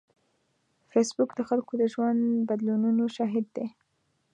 فېسبوک د خلکو د ژوند بدلونونو شاهد دی